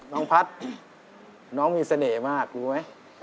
น้องพัฒน์น้องมีเสน่ห์มากรู้ไหม